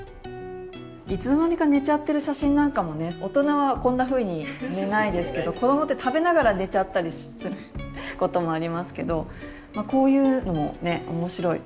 いつの間にか寝ちゃってる写真なんかもね大人はこんなふうに寝ないですけど子どもって食べながら寝ちゃったりすることもありますけどこういうのもね面白い。